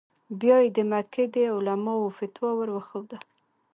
بیا یې د مکې د علماوو فتوا ور وښوده.